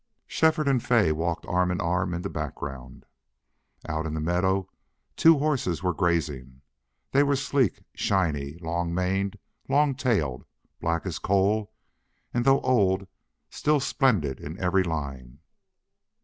Shefford and Fay walked arm in arm in the background. Out in the meadow two horses were grazing. They were sleek, shiny, long maned, long tailed, black as coal, and, though old, still splendid in every line.